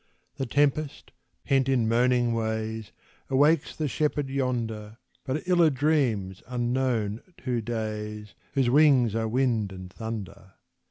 The tempest, pent in moaning ways, Awakes the shepherd yonder, But Illa dreams unknown to days Whose wings are wind and thunder.